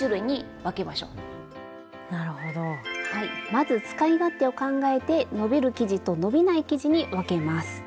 まず使い勝手を考えて伸びる生地と伸びない生地に分けます。